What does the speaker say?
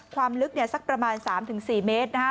ความลึกสักประมาณ๓๔เมตรนะฮะ